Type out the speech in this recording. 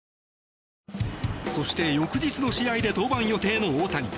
そして、翌日の試合で登板予定の大谷。